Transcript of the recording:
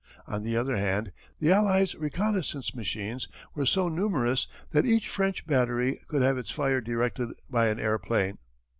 On the other hand, the Allies' reconnaissance machines were so numerous that each French battery could have its fire directed by an airplane.